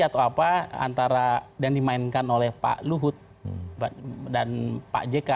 yang dimainkan oleh pak luhut dan pak jk